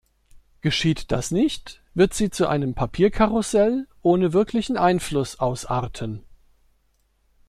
Geschieht das nicht, wird sie zu einem Papierkarussell ohne wirklichen Einfluss ausarten.